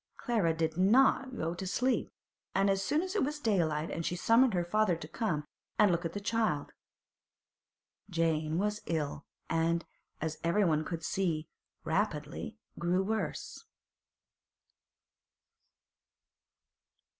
Clara did not go to sleep, and as soon as it was daylight she summoned her father to come and look at the child. Jane was ill, and, as everyone could see, rapidly grew worse.